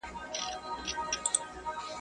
خداى وايي ته حرکت کوه، زه به برکت کوم.